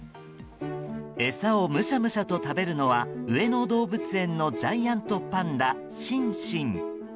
餌をむしゃむしゃと食べるのは上野動物園のジャイアントパンダシンシン。